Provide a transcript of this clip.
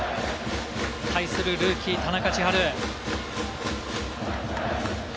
対する、ルーキー・田中千晴。